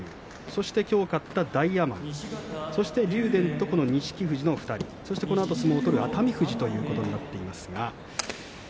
そして、きょう勝った大奄美そして竜電とこの錦富士の突っ張り、このあと相撲を取る熱海富士ということになっています。